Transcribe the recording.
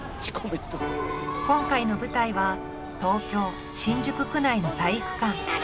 今回の舞台は東京新宿区内の体育館。